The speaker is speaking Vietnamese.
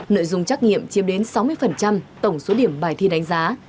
nội dung trắc nghiệm chiếm đến sáu mươi tổng số điểm bài thi đánh giá